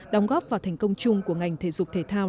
đóng góp vào thành công chung của ngành thể dục thể thao